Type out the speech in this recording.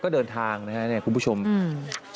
ก็เดินทางนะฮะเนี่ยคุณผู้ชมอืม